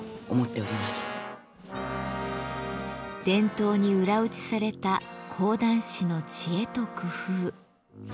伝統に裏打ちされた講談師の知恵と工夫。